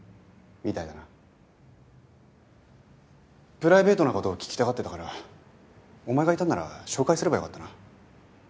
プライベートな事を聞きたがってたからお前がいたなら紹介すればよかったな。